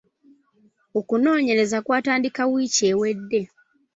Okunoonyereza kw'atandika wiiki ewedde.